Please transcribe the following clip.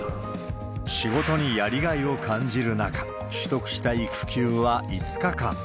仕事にやりがいを感じる中、取得した育休は５日間。